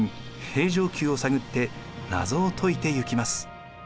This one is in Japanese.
平城宮を探って謎を解いていきます。